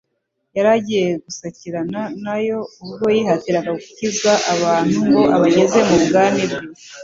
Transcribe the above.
yari agiye gusakirana na yo ubwo yihatiraga gukiza abantu ngo abageze mu bwami bwe!